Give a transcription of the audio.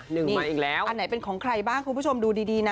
มาอีกแล้วอันไหนเป็นของใครบ้างคุณผู้ชมดูดีดีนะ